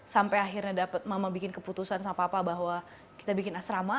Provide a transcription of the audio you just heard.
sampai akhirnya dapat mama bikin keputusan sama papa bahwa kita bikin asrama